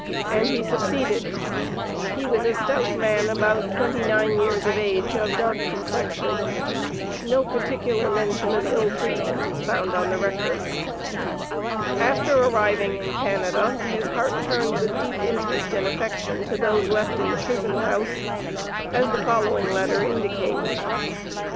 And he succeeded. He was a stout man, about twenty nine years of age, of dark complexion. No particular mention of ill treatment is found on the Records. After arriving in Canada, his heart turned with deep interest and affection to those left in the prison house, as the following letter indicates.